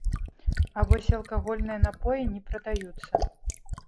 А вось алкагольныя напоі не прадаюцца.